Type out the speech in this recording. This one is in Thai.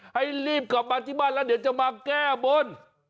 ให้รีบกลับมาที่บ้านแล้วเดี๋ยวจะมาแก้บน